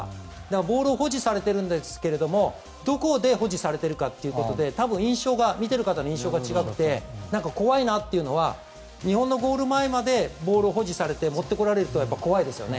ボールを保持されているんですがどこで保持されているかということで見ている方の印象が違って怖いなというのは日本のゴール前までボールを保持されて持ってこられると怖いですよね。